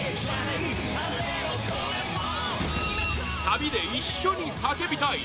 サビで一緒に叫びたい！